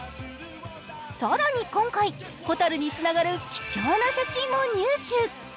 更に今回、ほたるにつながる貴重な写真も入手。